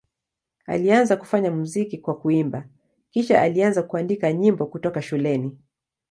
Alianza kufanya muziki kwa kuimba, kisha alianza kuandika nyimbo kutoka shuleni.